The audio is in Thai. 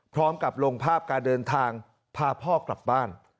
พร้อมกับลงภาพการเดินทางพาพ่อกลับบ้าน